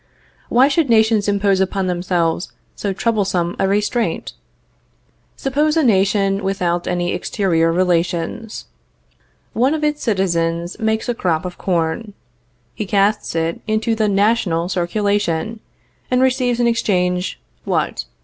Why should nations impose upon themselves so troublesome a restraint? Suppose a nation without any exterior relations. One of its citizens makes a crop of corn. He casts it into the national circulation, and receives in exchange what?